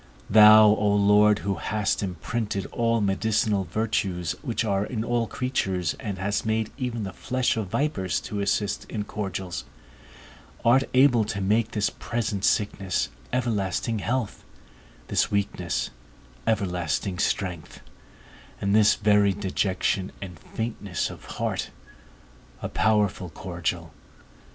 Thou, O Lord, who hast imprinted all medicinal virtues which are in all creatures, and hast made even the flesh of vipers to assist in cordials, art able to make this present sickness, everlasting health, this weakness, everlasting strength, and this very dejection and faintness of heart, a powerful cordial.